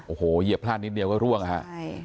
โอ้โหเหยียบพลาดนิดเดียวก็ร่วงนะฮะ